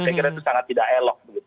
saya kira itu sangat tidak elok